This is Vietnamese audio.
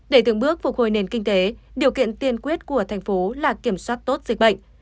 để từng bước phục hồi nền kinh tế điều kiện tiên quyết của thành phố là kiểm soát tốt dịch bệnh